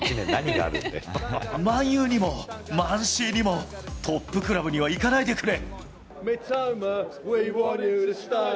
マンＵにもマンＣにも、トップクラブには行かないでくれ。